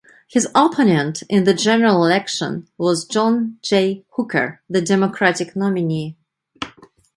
His opponent in the general election was John Jay Hooker, the Democratic nominee.